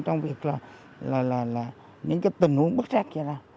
trong việc là những tình huống bất xác như thế này